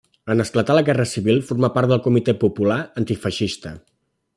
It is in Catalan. En esclatar la Guerra Civil formà part del Comitè Popular Antifeixista.